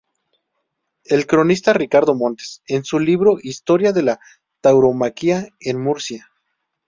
El cronista Ricardo Montes, en su libro "Historia de la Tauromaquia en Murcia.